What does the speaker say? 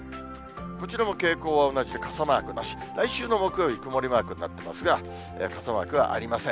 こちらも傾向は同じで傘マークなし、来週の木曜日曇りマークになってますが、傘マークはありません。